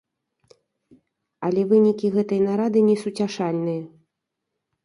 Але вынікі гэтай нарады несуцяшальныя.